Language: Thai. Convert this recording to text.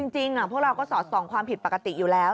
จริงพวกเราก็สอดส่องความผิดปกติอยู่แล้ว